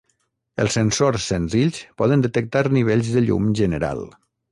Els sensors senzills poden detectar nivells de llum general.